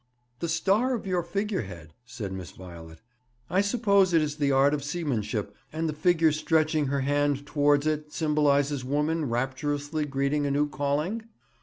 'The star of your figure head,' said Miss Violet, 'I suppose, is the art of seamanship, and the figure stretching her hand towards it symbolizes woman rapturously greeting a new calling?'